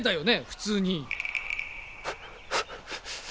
普通に。